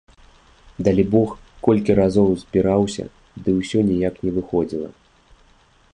Далібог, колькі разоў збіраўся, ды ўсё ніяк не выходзіла.